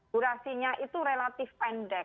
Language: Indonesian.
durasinya itu relatif pendek